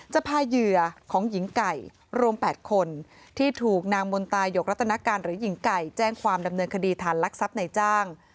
จะพาเหยื่อของหญิงไก่รวม๘คนที่ถูกนางมนตายกรัตนาการหรือหญิงไก่แจ้งความดำเนินคดีฐานลักทรัพย์ในจ้าง